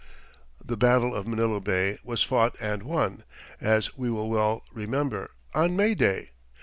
The battle of Manila Bay was fought and won, as we well remember, on May Day.